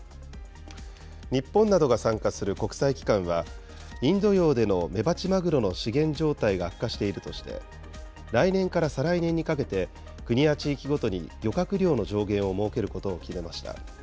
日本などが参加する国際機関は、インド洋でのメバチマグロの資源状態が悪化しているとして、来年から再来年にかけて、国や地域ごとに漁獲量の上限を設けることを決めました。